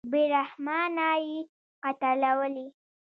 بېرحمانه یې قتلوي.